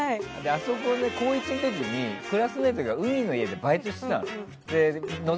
あそこに高１の時にクラスメートが海の家でバイトしてたの。